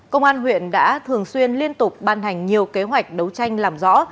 công an huyện đã thường xuyên liên tục ban hành nhiều kế hoạch đấu tranh làm rõ